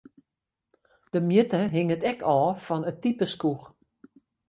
De mjitte hinget ek ôf fan it type skoech.